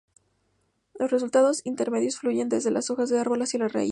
Los resultados intermedios fluyen desde las hojas del árbol hacia la raíz.